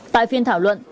tại phiên thảo luận